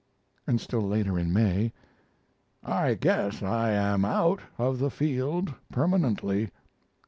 And still later, in May: I guess I am out of the field permanently.